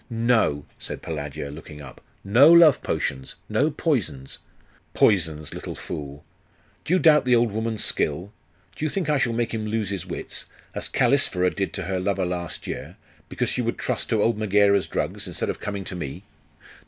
'No!' said Pelagia, looking up. 'No love potions! No poisons!' 'Poisons, little fool! Do you doubt the old woman's skill? Do you think I shall make him lose his wits, as Callisphyra did to her lover last year, because she would trust to old Megaera's drugs, instead of coming to me!